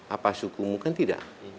apa suku mu kan tidak